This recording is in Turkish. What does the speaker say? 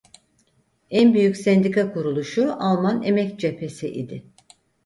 En büyük sendika kuruluşu Alman Emek Cephesi idi.